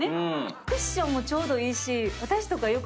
クッションもちょうどいいし私とかよく。